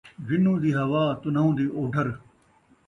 جنوں دی ہوا، تنھاؤں دی اوڈھر